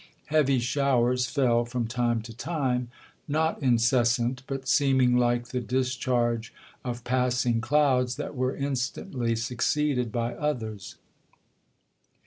Heavy showers fell from time to time,—not incessant, but seeming like the discharge of passing clouds, that were instantly succeeded by others.